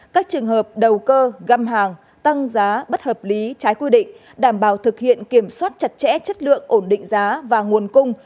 các trường hợp đầu cơ găm hàng tăng giá bất hợp lý trái quy định đảm bảo thực hiện kiểm soát chặt chẽ chất lượng ổn định giá và nguồn cung